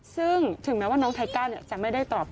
ซึ่งถึงแม้ว่าน้องไทก้าจะไม่ได้ตอบ